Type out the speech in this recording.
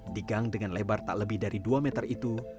di gang dengan lebar tak lebih dari dua meter itu